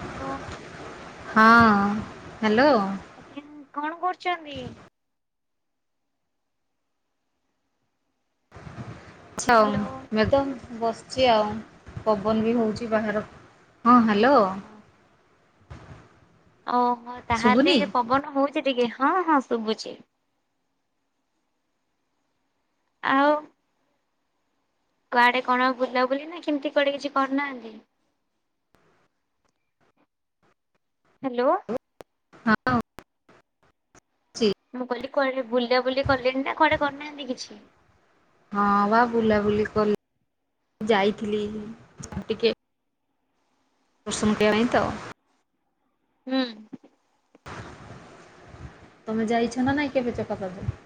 Hello. ହଁ hello. ଆଚ୍ଛା ଆ କଣ କରୁଛନ୍ତି? ହ୍ୟାଲୋ [unintelligible] ବସିଛି ଆଉ ପବନ, ବି ହେଉଛି ବାହାରକୁ ହଁ ହ୍ୟାଲୋ। ଓହୋ ତାହେଲେ ଶୁଭୁନି ପବନ ହଉଛି। ଟିକେ ଟିକେ ହଁ ହଁ ଶୁଭୁଛି। ଆଉ କୁଆଡେ କଣ ବୁଲ ବୁଲି ନା କେମିତି କୁଆଡେ କିଛି କରିନାହାନ୍ତି। ହ୍ୟାଲୋ। ହେଲୋ। ମୁଁ କଲିକ କୁଆଡେ ବୁଲା ବୁଲି କଲେଣି ନା କୁଆଡେ କରିନାହାନ୍ତି କିଛି। ହଁ ବା ବୁଲାବୁଲି କଲେ ଯାଇଥିଲି ଟିକେ ଦର୍ଶନ କରିବା ପାଇଁ ତ। ହୁଁ। ତମେ ଯାଇଛ ନା ନାଇଁ କେବେ ଚକା ପାଖକୁ।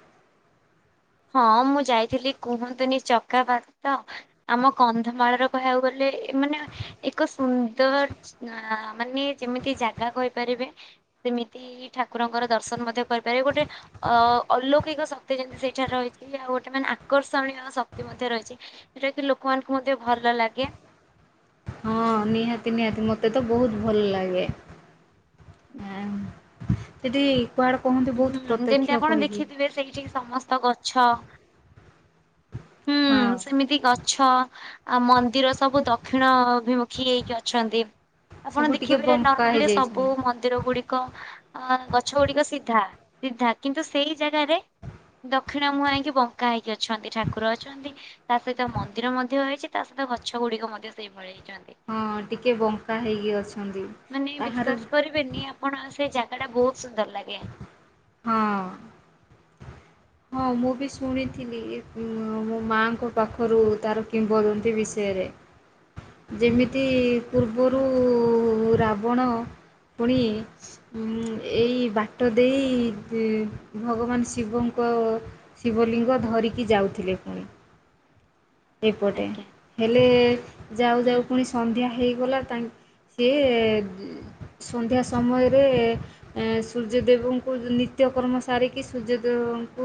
ହଁ ମୁଁ ଯାଇଥିଲି କୁହନ୍ତୁନି, ଚକାପାତ ଆମ କନ୍ଧମାଳର କହିବାକୁ ଗଲେ ଏମାନେ ଏକ ସୁ ତ ଅ ମାନେ ଯେମିତି ଜାଗା କହିପାରିବେ। ସେମିତି ଠାକୁରଙ୍କର ଦର୍ଶନ ମଧ୍ୟ କହିପାରିବେ। ଗୋଟେ ଅ ଅଲୌକିକ ଶକ୍ତି ଯେମିତି ସେଇ [unintelligible] ରହିଛି। ଆଉ ଗୋଟେ ମାନେ ଆକର୍ଷଣୀୟ ଶକ୍ତି ମଧ୍ୟ ରହିଛି। ଯୋଉଟା କି ଲୋକମାନଙ୍କୁ ମଧ୍ୟ ଭଲ ଲାଗେ। ହଁ ନିହାତି ନିହାତି ମତେ ତ ବହୁତ ଭଲ ଲାଗେ। ଆ ସେଠି କୁଆଡେ କହନ୍ତି ବହୁତ ହୁଁ ପ୍ରତ୍ୟକ୍ଷ ଯେମିତି ଆପଣ କହିକି ଦେଖିଥିବେ ସେଇଠିକି ସମସ୍ତ ଗ ଛଅ। ହଁ ହୁଁ ସେମିତି ଗଛ, ଆ ମନ୍ଦିର ସବୁ ଦକ୍ଷିଣ ଅଭିମୁଖୀ ହେଇକି ଅଛନ୍ତି ସବୁ ଆପଣ ଟିକେ ଦେଖିବେ ବଙ୍କା ନର୍ମାଲି ହେଇଯାଇଛନ୍ତି ସବୁ ମନ୍ଦିର ଗୁଡିକ ଗଛ ଗୁଡିକ ସି ସିଧା, ସିଧା, କିନ୍ତୁ ସେଇ ଜାଗାରେ ଦକ୍ଷିଣ ମୁହାଁ ହେଇକି ବଙ୍କା ହେଇକି ଅଛନ୍ତି, ଠାକୁର ଅଛନ୍ତି, ତା ସହିତ ମନ୍ଦିର ମଧ୍ୟ ହେଇଛି, ତା ସହିତ ଗଛ ଗୁଡିକ ମଧ୍ୟ ସେଇଭଳି। ହେଇଛନ୍ତି। ହଁ ଟିକେ ବଙ୍କା ହେଇକି ଅଛନ୍ତି। ମାନେ ତାହାର ସେଇଟା ବହୁତ ସୁନ୍ଦର ଲାଗେ। ହଁ। ହଁ ମୁଁ ବି ଶୁଣିଥିଲି ମୋ ମାଙ୍କ ପାଖରୁ ତାର କିମ୍ବଦନ୍ତୀ ବିଷୟରେ। ଯେମିତି ହୁଁ ପୂର୍ବରୁ ରାବଣ ପୁଣି ଉଁ ଏଇ ବାଟ ଦେଇ ଭଗବାନ ଶିବଙ୍କୁ ଶିବ ଶିବଲିଙ୍ଗ ଧରିକି ଯାଉଥିଲେ ପୁ ଏପଟେ ଆଜ୍ଞା ହେଲେ ଯାଉ ହୁଁ ଯାଉ ପୁଣି ସନ୍ଧ୍ୟା ହେଇ ଗଲା ସି ସନ୍ଧ୍ୟା ସମୟରେ ସୂର୍ଯ୍ୟଦେବଙ୍କୁ ନିତ୍ୟକର୍ମ ସାରିକି ସୂର୍ଯ୍ୟଦେବଙ୍କୁ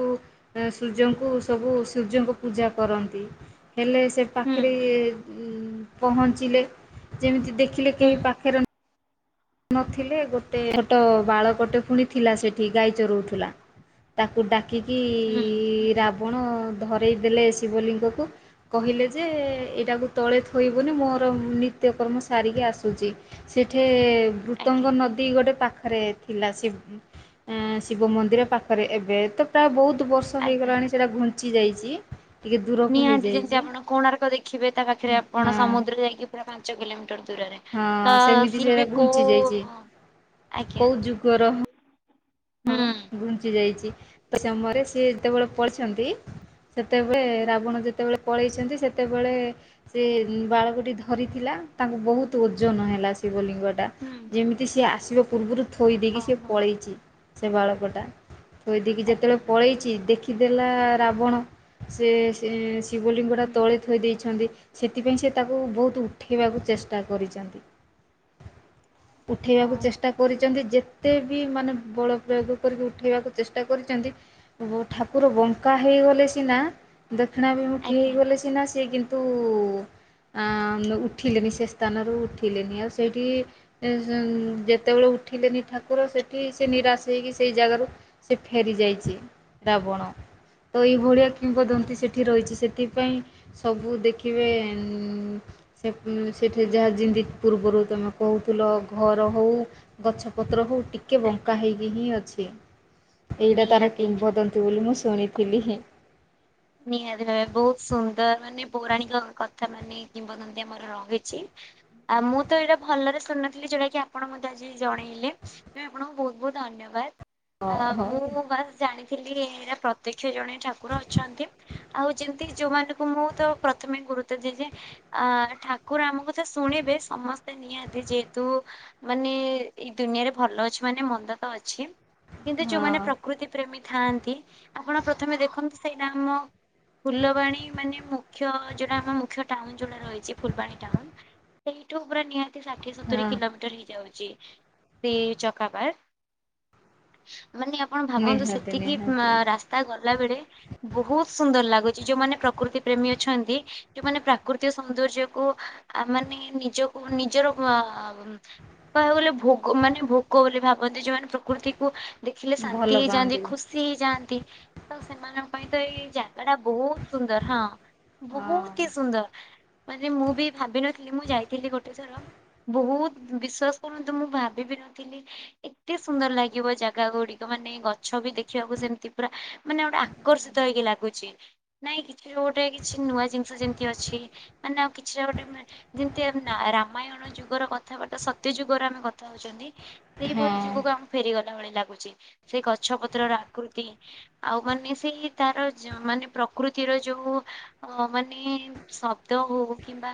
ସୂର୍ଯ୍ୟଙ୍କୁ ସବୁ ସୂର୍ଯ୍ୟଙ୍କୁ ପୂଜା କରନ୍ତି, ହେଲେ ସେ ହୁଁ ପାଖରେ ଏ ପହଞ୍ଚିଲେ ଯେମିତି ଦେଖ ଦେଖିଲେ ହୁଁ କେହି ପାଖରେ ନଥିଲେ ଗୋଟେ ଛୋଟ ବାଳ ଗଟେ ପୁଣିଥିଲା ସେଠି ଗାଈ ଚରଉଥିଲା ତାକୁ ଡାକି କି କି ହୁଁ ରା ଆପଣ ଧରାଇ ଦେେଲେ ଶିବଲିଙ୍ଗକୁ କହିଲେ ଯେ ଏଇଟାକୁ ତଳେ ଥୋଇବନି ମୋର ନିତ୍ୟକର୍ମ ସାରିକି ଆସୁଛି ସେଠେ ଆଜ୍ଞା ମୃତଙ୍ଗ ନଦୀ ଗୋଟେ ପାଖ ପାଖରେ ଥିଲା ଶିବ ମନ୍ଦିର ପାଖରେ ଏବେ ତ ପ୍ରାୟ ବହୁତ ବତ ବର୍ଷ ଆଜ୍ଞା। ହେଇଗଲାଣି ସେଟା ପଞ୍ଚି ଯାଇଛି ଟିକେ ଦୂରକୁ ନିହାତି ଯେମିତି ହେଇଯାଇଛି ଆପଣ କୋଣାର୍କ ଦେଖିବେ ତା ପାଖରେ ହଁ ଆପଣ ସମୁଦ୍ର ଯାଇକି ପୁରା ଚଗଲା ହଁ ସେମିତି ସେଟା ଘୁଞ୍ଚି କୋଉ ଯାଇଛି ଆଜ୍ଞା କୋଉ ଯୁଗର ହୁଁ ଘୁଞ୍ଚି ଯାଇଛି। ସମୟରେ ସେି ଯେତେବେଳେ ପଢିଛନ୍ତି ସେତେବେଳେ ରାବଣ ଯେତେବେଳେ ପଳେଇଛନ୍ତି ସେତେବେଳେ ସେ ବାଳକୋଟି ଧରିଥିଲା ତାଙ୍କୁ ବହୁତ ଓଜନ ହେଲା ଶିବଲିଙ୍ଗ। ହୁଁ। ଯେମିତି ସିଏ ଆସିବ ପୂର୍ବରୁ ଥୋଇ ଦେଇଖି ସେ ଓହୋ ପଳେଇଛି। ସେ ବାଳକଟା କହିଦକି ଆଜ୍ଞା ଯେତେବେଳେ ପଳେଇଛି ଦେଖି କି ଦେଲା ରାବଣ ସେ ସେ ଶିବଲିଙ୍ଗଟା ହୁଁ ତଳେ ଥୋଇ ଦେଇଛନ୍ତି। ସେଥିପାଇଁ ସେ ତାକୁ ବହୁତ ଉଠେଇବାକୁ ଚେଷ୍ଟା କରିଛନ୍ତି। ଓ ଉଠେଇବାକୁ ଚେଷ୍ଟା କରିଛନ୍ତି ଯେ ଏତେ ବି ମାନେ ବଡ଼ ପ୍ରୟୋଗ କରିକି ଉଠେଇବାକୁ ଚେଷ୍ଟା କରିଛନ୍ତି ଠାକୁର ବଙ୍କା ହେଇଗଲେ ସିନା ଦକ୍ଷିଣା ବିମୁଖୀ ଆଜ୍ଞା ହେଇଗଲେ ସି ନା ସିଏ କିନ୍ତୁ କିନ୍ତୁ ଉଠିଲେନି ସେ ସ୍ଥାନରୁ ଉଠିଲେନି ଆଉ ସେଇଠି ଯେତେବେଳେ ଉଠିଲେନି ଠାକୁର ସେଠି ସେ ନିରାଶ କି ସେଇ ଜାଗାରୁ ସେ ଫେରି ଯାଇଛି ରାବଣ ତ ଏଇଭଳିଆ ଓ କିମ୍ବଦନ୍ତୀ ସେଠି ରହିଛି ସେଠି। ସେଥିପାଇଁ ସବୁ ଦେଖିବେ ଇ ଇ ସେଠି ଯାହା ଯେମିତି ପୂର୍ବରୁ ତୁମେ କହୁଥିଲ ଘର ହେଉ ଗଛପତ୍ର ହଉ ଟିକେ ବଙ୍କା ଆଜ୍ଞା। ହୋଇ ଅଛି।। ଏଇଟା ତାର ନିହାତି କିମ୍ୱଦନ୍ତି ବୋଲି ମୁଁ ଶୁଣି ଥିଲି ହିଁ ନିହାତି ଭାବେ ବହୁତ ସୁନ୍ଦର ମାନେ ପୌରାଣିକ କଥା ମାନେ କିମ୍ବଦନ୍ତୀ ଆମର ରହିଛି। ଆ ମୁଁ ତ ଏଇଟା ଭଲରେ ଶୁନଥିଲି ଯଉଟା କି ଆପଣ ମତେ ଆଜି ଜଣେଇଲେ ତ ଆପଣଙ୍କୁ ବହୁତ ବହୁତ ଧନ୍ୟବାଦ।। ହଁ ଆ ହଉ ମୁଁ ବାସ ଜାଣିଥିଲି ଏରା ପ୍ରତିକି ସେ ଜଣେ ଠାକୁର ଅଛନ୍ତି। ଆଉ ଯେମତି ଯୋଉଁମାନଙ୍କୁ ମୁଁ ତ ପ୍ରଥମେ ଗୁରୁତ୍ୱ ଦିଏ ଯେ ଆ ଠାକୁର ଆମକୁ ତ ଶୁଣିବେ ସମସ୍ତେ ନିହାତି ଯେହେତୁ ମାନେ ଏଇ ଦୁନିଆରେ ଭଲ ଅଛି ମାନେ ମନ୍ଦ ତ ଅଛି।। କିନ୍ତୁ ଯୋଉମାନେ ହଁ ପ୍ରକୃତି ପ୍ରେମୀ ଥାଆନ୍ତି କି ଆପଣ ପ୍ରଥମେ ଦେଖନ୍ତୁ ସେଇଟା ଆମ ଫୁଲବାଣୀ ମାନେ ମୁଖ୍ୟ ଯୋଉଟା ଆମ ମୁଖ୍ୟ ଟାଉନ ଜିଲ୍ଲାରେ ରହିଛି। ଛି ଫଲବାଣୀ ଟାଉନ ସେଇଠୁ ପୁରା ନିହାତି ଷାଠିଏ ସତୁରୀ ହଁ କିଲୋମିଟର ହେଇଯାଉଛି। ସେ ଚକାବାର ମାନେ ଆପଣ ଭାବନ୍ତୁ ନିହାତି ସେତିକି ନିହାତି ରାସ୍ତା ଗଲାବେଳେ ବହୁତ ଲାଗୁଛି ଯୋଉମାନେ ପ୍ରକୃତି ପ୍ରେମୀ ଅଛନ୍ତି ଯୋଉମାନେ ପ୍ରାକୃତିକ ସୌନ୍ଦର୍ଯ୍ୟ କୁ ଆ ମାନେ ନିଜକୁ ନିଜର ଅ କହିବାକୁ ଗଲେ ଭୋଗ ମାନେ ଭୋଗ ବୋଲି ଭାବନ୍ତି ଯୋଉମାନେ ପ୍ରକୃତିକୁ ଦେଖିଲେ ଶାନ୍ତି ଭଲ ହେଇଯାଆନ୍ତି ପାଆନ୍ତି ଖୁସି ହେଇଯାଆନ୍ତି। ତ ସେମାନଙ୍କ ପାଇଁ ତ ଏଇ ଜାଗା ଟା ବହୁତ ସୁନ୍ଦର ହଁ ବହୁତୁ ହି ସୁନ୍ଦର ମାନେ ମୁଁ ବି ଭାବିନଥିଲି ମୁଁ ଯାଇଥିଲି ଗୋଟେ ଥର ବହୁତ ବିଶ୍ଵାସ କରନ୍ତୁ ମୁଁ ଭାବି ବି ନଥିଲି ଏତେ ସୁନ୍ଦର ଲାଗିବ ଜାଗା ଗୁଡିକ ମାନେ ଗଛ ବି ଦେଖିବାକୁ ସେମିତି ପୁରା ମାନେ ଗୋଟେ ଆକର୍ଷିତ ହେଇକି ଲାଗ ହୋଉଛି ନାଇଁ କିଛି ଗୋଟେ କିଛି ନୂଆ ଜିନିଷ ଯେମିତି ଅଛି ମାନେ ଆଉ କିଛିଟା ଗୋଟେ ଯେମିତି ରାମାୟଣ ଯୁଗର କଥାବାର୍ତ୍ତା ସତ୍ୟ ଯୁଗର ଆମେ କଥା ହଉଛନ୍ତି ହଁ ସେଇଭଳି ଯୁଗକୁ ଆମକୁ ଫେରିଗଲା ଭଳି ଲାଗ ସେ ଗଛ ପତ୍ରର ଆକୃତି ଆଉ ମାନେ ସେଇ ତାର ଯଉ ମାନେ ପ୍ରକୃତିର ଯୋଉ ମାନେ ଶବ୍ଦ ହଉ କିମ୍ବା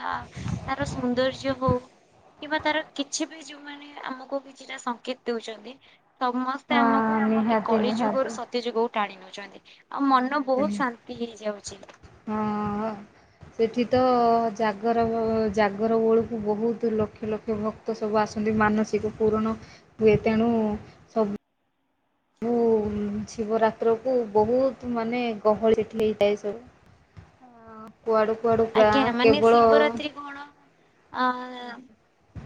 ତାର ସୌନ୍ଦର୍ଯ୍ୟ ହଉ କିମ୍ବା ତାର କିଛି ବି ଯୋଉମାନେ ଆମକୁ କିଛିଟା ସଙ୍କେତ ଦେଉଛନ୍ତି ସମସ୍ତେ ଟା ଆମକୁ ହଁ ଏଇ ନିହାତି କଳି ଯୁଗରୁ ନିହାତି ସତ୍ୟ ଯୁଗକୁ ଟାଣିନୋ ଛନ୍ତି ଆଉ ମନ ନିହାତି ବହୁତ ନିହାତି ଶାନ୍ତି ହେଇଯାଉଛି। ଶୀତ ଜାଗର ଜାଗର ବଳକୁ ବହୁତ ଲକ୍ଷ ଲକ୍ଷ ଭକ୍ତ ସବୁ ଆସନ୍ତି ମାନସିକ ପୂରଣ ହୁଏ ତେଣୁ ସବୁ ଶିବରାତ୍ରକୁ ବହୁତ ମାନେ ଗହଳି ସେଠି ହେଇଥାଏ ସବୁ ହଁ ଆଜ୍ଞା ମାନେ ଶିବରାତ୍ରୀ କଣ ଅ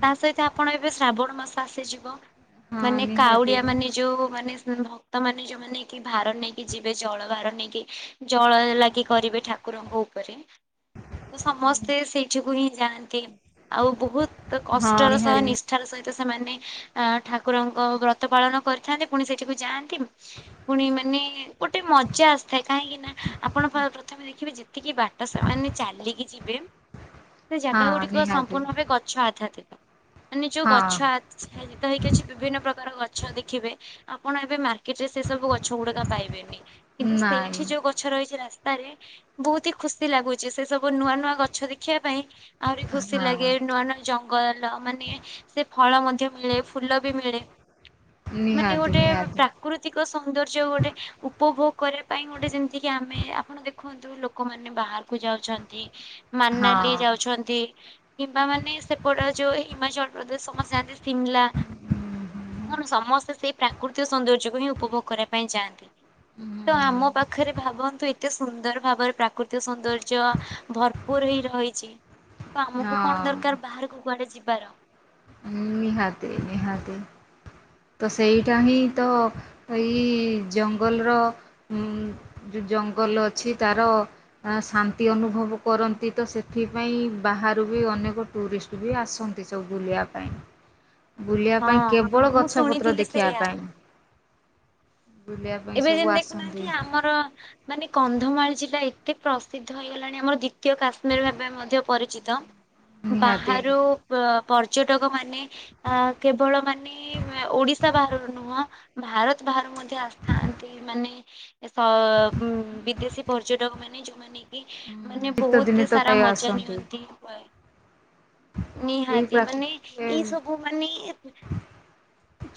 ତାସହିତ ଆପଣ ଏବେ ଶ୍ରାବଣ ମାସ ଆସିଯିବ। ହଁ ମାନେ ନିହାତି କାଉଡିଆ ମାନେ ଯୋଉ ମାନେ ତ ମାନେ ଯୋଉମାନେ କି ଭାର ନେଇକି ଯିବେ ଜଳ ଭାର ନେଇକି ଜଳ ଲାଗି କରିବେ ଠାକୁରଙ୍କ ଉପରେ ତ ସମସ୍ତେ ସେଇଠିକୁ ହିଁ ଯାଆନ୍ତି ଆଉ ବହୁତ ତ ହଁ କଷ୍ଟର ସହ ନିହାତି ନିଷ୍ଠାର ସହିତ ତ ସେମାନେ ଅ ଠାକୁରଙ୍କ ବ୍ରତ ପାଳନ କରିଥାନ୍ତି ପୁଣି ସେଠିକୁ ଯାଆନ୍ତି ପୁଣି ମାନେ ଗୋଟେ ମଜା ଆସିଥାଏ କାହିଁକି ନା ଆପଣ ପ୍ରଥମେ ଦେଖିବେ ଯେତିକି ବାଟ ସେମାନେ ଚାଲିକି ଯିବେ ସେ ଜାଗା ନିହାତି ହଁ ଗୁଡ଼ିକ ନିହାତି ସମ୍ପୂର୍ଣ୍ଣ ଭାବେ ଗଛ ଆଚ୍ଛାଦିତ। ମାନେ ଯୋଉ ଗଛ ହଁ ଆଚ୍ଛାଦିତ ହେଇକି ଅଛି ବିଭିନ୍ନ ପ୍ରକାର ଗଛ ଗଛ ଦେଖିବେ ଆପଣ ଏବେ ମାର୍କେଟ ରେ ସେ ସବୁ ଗଛ ଗୁଡିକ ପାଇବେନି। କିନ୍ତୁ ନାଇଁ ସେଇଠି ଯୋଉ ଗଛ ରହିଛି ରାସ୍ତା ଟାରେ ବହୁତ ହି ଖୁସି ଲାଗୁଛି ସେ ସବୁ ନୂଆ ନୂଆ ଗଛ ଦେଖିବା ପାଇଁ ଆହୁରି ଖୁସି ଲାଗେ ହଁ ନୂଆ ନୂଆ ଜଙ୍ଗଲ ମାନେ ସେ ଫଳ ମଧ୍ୟ ମିଳେ ଫୁଲ ବି ମିଳେ ମାନେ ନିହାତି ଗୋଟେ ନିହାତି ପ୍ରାକୃତିକ ସୌନ୍ଦର୍ଯ୍ୟ ଗୋଟେ ଉପଭୋଗ କରିବା ପାଇଁ ଗୋଟେ ଯେମିତିକି ଆମେ ଆପଣ ଦେଖନ୍ତୁ ଲୋକମାନେ ମାନେ ବାହାରକୁ ଯାଉଛନ୍ତି। ମନାଲି ହଁ ଯାଉଛନ୍ତି କିମ୍ବା ମାନେ ସେପଟେ ଯୋଉ ହିମାଚଳ ପ୍ରଦେଶ ସମସ୍ତେ ଯାଆନ୍ତି ସିମ୍ଲା କଣ ସମସ୍ତେ ସେଇ ପ୍ରାକୃତିକ ସୌନ୍ଦର୍ଯ୍ୟକୁ ହିଁ ଉପଭୋଗ କରିବା ପାଇଁ ଯାଆନ୍ତି। ତ ଆମ ପାଖରେ ଭାବନ୍ତୁ ଏ ସୁନ୍ଦର ଭାବରେ ପ୍ରାକୃ ଟେ ସୌନ୍ଦର୍ଯ୍ୟ ଭରପୁର ହେଇ ରହିଛି। ତ ଆମକୁ କଣ ହଁ ଦରକାର ବାହାରକୁ କୁଆଡେ ଯିବା। ବାର ନିହାତି ନିହାତି। ତ ସେଇଟା ହିଁ ତ ଏଇ ଜଙ୍ଗଲର ଯୋଉ ଜଙ୍ଗଲ ଅଛି ତାର ଶାନ୍ତି ଅନୁଭବ କରନ୍ତି ତ ସେଥିପାଇଁ ବାହାରୁ ବି ଅନେକ ଟୁରିଷ୍ଟ ବି ଆସନ୍ତି ସବୁ ବୁଲିବା ପାଇଁ। ବୁଲିବା ହଁ ପାଇଁ କେବଳ ମୁଁ କଥା ଗଛ ପତ୍ର ଶୁଣିଥିଲି ଦେଖିବା ସେଇଆ ପାଇଁ ବୁଲିବା ପାଇଁ ଏବେ ସବୁ ଯେମିତି ଆସନ୍ତି। ଦେଖୁନାହାନ୍ତି ଆମର ମାନେ କନ୍ଧମାଳ ଜିଲ୍ଲା ଏତେ ପ୍ରସିଦ୍ଧ ହେଇଗଲାଣି ଆମର ଦ୍ଵିତୀୟ କାଶ୍ମୀର ଭାବେ ମଧ୍ୟ ପରିଚିତ। ନିହାତି ବାହାରୁ ବ ପର୍ଯ୍ୟଟକ ମାନେ ଅ କେବଳ ମାନେ ଓଡିଶା ବାହାରୁ ନୁହଁ ଭାରତ ବାହାରୁ ମଧ୍ୟ ଆସି ଥାଆନ୍ତି ମାନେ ସ ବିଦେଶୀ ପର୍ଯ୍ୟଟକ ମାନେ ଯୋଉମାନେ ମାନେ ଶୀତ ଦିନେ ବହୁତ ତ ସାରା ପ୍ରାୟ ମଜା ଆସନ୍ତି ନିଅନ୍ତି କ ଏଇ ନିହାତି ପ୍ରାକ ମାନେ ଏ ଏଇ ସବୁ ମାନେ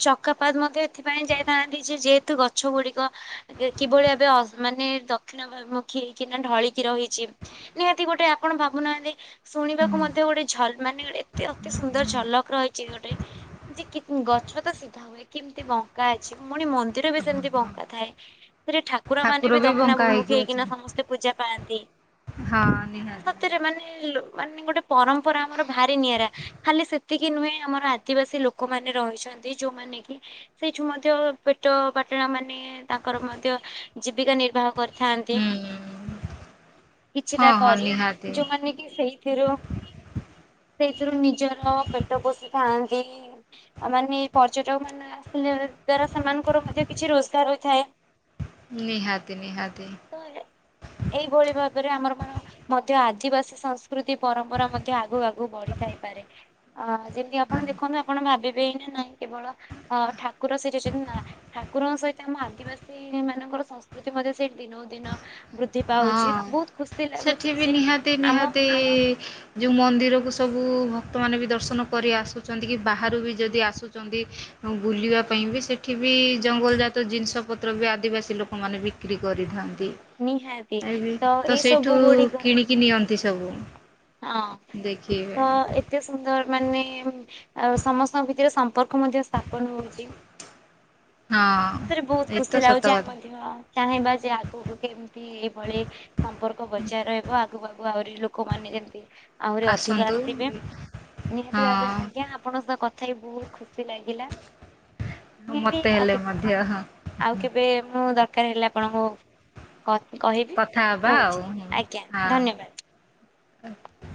ଚକାପାତ ମଧ୍ୟ ଏଥିପାଇଁ ଯାଇଥାନ୍ତି ଯେ ଯେହେତୁ ଗଛ ଗଛ ଗୁଡ଼ିକ କିଭଳି ଭାବେ ମାନେ ଦକ୍ଷିଣମୁଖୀ ହେଇକିନା ଢଳିକି ରହିଛି ନିହାତି ଗୋଟେ ଆପଣ ଭାବୁନାହାଁନ୍ତି ଶୁଣିବାକୁ ମଧ୍ୟ ଗୋଟେ ଝଲ ମାନେ ଏତେ ଅତି ସୁନ୍ଦର ଝଲକ୍ ରହିଛି ଗୋଟେ ଯେ ଗଛ ତ ସିଧା ହୁଏ କେମତି ବଙ୍କା ଅଛି ପୁଣି ମନ୍ଦିର ଭିତ ଯେମିତି ବଙ୍କା ଥାଏ ସେଠାରେ ଠାକୁର ମାନେ ବି ବଙ୍କା ହେଇକି ଦକ୍ଷିଣାଭିମୁଖି ଅଛନ୍ତି ହେଇକିନା ସମସ୍ତେ ପୂଜା ପାଆନ୍ତି। ହଁ ନିହାତି ସତରେ ମାନେ ଲୁ ମାନେ ଗୋଟେ ପରମ୍ପରା ଆମର ଭାରି ନିଆରା। ଖାଲି ସେତିକି ନୁହେଁ ଆମର ଆଦିବାସୀ ଲୋକମାନେ ରହିଛନ୍ତି। ଯୋଉମାନେ କି ସେଇଠୁ ମଧ୍ୟ ପେଟ ପାଟ ପାଟଣା ମାନେ ତାଙ୍କର ମଧ୍ୟ ଜୀବିକା ନିର୍ବାହ କରି ଥାନ୍ତି। [inaudible] ହୁଁ। କିଛିଟା ହଁ ହଁ କରି ନିହାତି ଯୋଉମାନେ କି ସେଇଥିରୁ [inaudible] ସେଇଥିରୁ ନିଜର ପେଟ ପୋଷିଥାନ୍ତି। ମାନେ ପର୍ଯ୍ୟଟକ ମାନେ ଆସିଲା ଦ୍ଵାରା ସେମାନଙ୍କର ମଧ୍ୟ କିଛି ରୋଜଗାର ହୋଇଥାଏ। ନିହାତି ନିହାତି। ତ [inaudible] ଏଇଭଳି ଭାବରେ ଆମର ମଧ୍ୟ ଆଦିବାସୀ ସଂସ୍କୃତି ପରମ୍ପରା ମଧ୍ୟ ଆଗୁ ଆଗକୁ ବଢ଼ିଥାଇପାରେ। ଅ ଯେମିତି ଆପଣ ଦେଖନ୍ତୁ ଆପଣ ଭାବିବେ ହିଁ ନା ନାଇଁ କେବଳ ଅ ଠାକୁର ସେଇଠି ଅଛନ୍ତି। ନା ଠାକୁରଙ୍କ ସହିତ ଆମ ଆଦିବାସୀ ମାନଙ୍କର ସଂସ୍କୃତି ମଧ୍ୟ ସେଇଠି ଦିନକୁ ଦିନ ବୃଦ୍ଧି ପାଉଛି ହଁ ବହୁତ ଖୁସି [inaudible] ଲାଗୁଛି ସେଠି ବି ଯେ ନିହାତି ଆମ ନିହାତି ଯୋଉ ମନ୍ଦିରକୁ ସବୁ ସବୁ ଭକ୍ତମାନେ ବି ଦର୍ଶନ କରି ଆସୁଚନ୍ତି। କି ବାହାରୁ ବି ଯଦି ଆସୁଚନ୍ତି। ବୁଲିବା ପାଇଁ ବି ସେଠି ବି ଜଙ୍ଗଲଜାତ ଜିନିଷପତ୍ର ବି ଆଦିବାସୀ ଲୋକମାନେ ବିକ୍ରି କରିଥାନ୍ତି। ନିହା ଏ ତ ସେଇଠୁ କିଣିକି ନିଅ ନିଅନ୍ତି ସବୁ। ହଁ ଦେଖିବେ। ତ ଏତେ ସୁନ୍ଦର ମାନେ ସମସ୍ତଙ୍କ ଭିତରେ ସମ୍ପର୍କ ମଧ୍ୟ ସ୍ଥାପନ ହଉଚି। ହଁ [inaudible] ଏଥିରେ ବହୁତ ଏତ ଖୁସି ସତ ଲାଗୁଛି ଆମେ କଥା ମଧ୍ୟ ଚାହିଁବା। ଯେ ଆଗକୁ କେମିତି ଏଇଭଳି ସମ୍ପର୍କ ବଜାୟ ରହିବ। କୁ ଆହୁରି ଲୋକମାନେ ଯେମ ମିତି ଆହୁରି ଅଧିକ ଆସନ୍ତୁ ଆସିବେ। ନିହାତି ଭାବେ ହଁ। ଆଜ୍ଞା ଆପଣଙ୍କ କଥା ତଥାପି ବହୁତ ଖୁସି ଲାଗିଲା। ମୁଁ ମତେ ହେଲେ ଆଉ ମଧ୍ୟ ହଁ [inaudible] ଆଉ କେବେ ମୁଁ ଦର ଦରକାର ହେଲେ ଆପଣଙ୍କୁ କହିବି କଥା ହବା ରହୁଛି ଆଉ ଆଜ୍ଞା ଧନ୍ୟବାଦ। ହଁ।